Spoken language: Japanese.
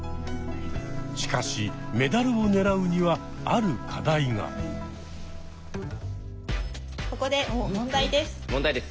しかしメダルを狙うにはここで問題です。